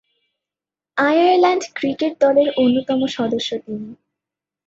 Ireland cricket দলের অন্যতম সদস্য তিনি।